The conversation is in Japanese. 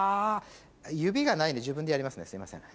指がないんで自分でやりますねすいません。